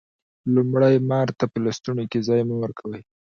لومړی: مار ته په لستوڼي کی ځای مه ورکوه